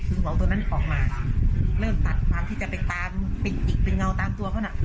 คือหมอตัวนั้นออกมาเริ่มตัดตามที่จะไปตามไปจิกเป็นเงาตามตัวเขาน่ะ